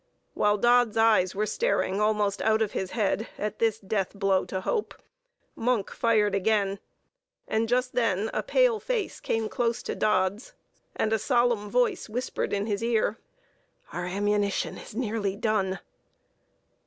While Dodd's eyes were staring almost out of his head at this death blow to hope, Monk fired again; and just then a pale face came close to Dodd's, and a solemn voice whispered in his ear: "Our ammunition is nearly done!"